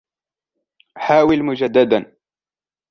حاول مجدداً.